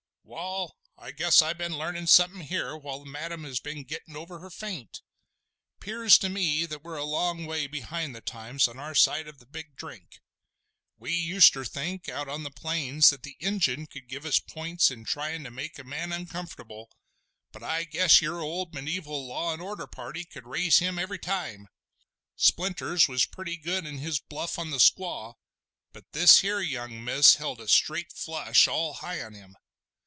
"Wall, I guess I've been learnin' somethin' here while madam has been gettin' over her faint. "Pears to me that we're a long way behind the times on our side of the big drink. We uster think out on the plains that the Injun could give us points in tryin' to make a man uncomfortable; but I guess your old mediaeval law and order party could raise him every time. Splinters was pretty good in his bluff on the squaw, but this here young miss held a straight flush all high on him.